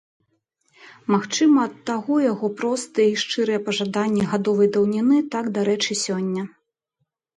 Магчыма, ад таго яго простыя і шчырыя пажаданні гадовай даўніны так дарэчы сёння.